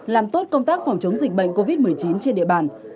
làm tốt công tác phòng chống dịch bệnh covid một mươi chín trên địa bàn